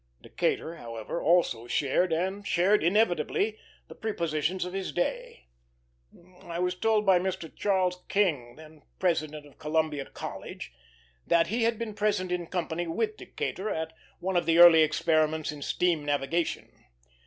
'" Decatur, however, also shared, and shared inevitably, the prepossessions of his day. I was told by Mr. Charles King, when President of Columbia College, that he had been present in company with Decatur at one of the early experiments in steam navigation.